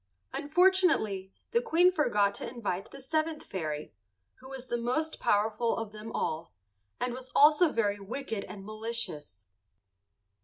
Unfortunately the Queen forgot to invite the seventh fairy, who was the most powerful of them all, and was also very wicked and malicious.